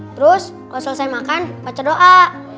terus kalau selesai makan baca doa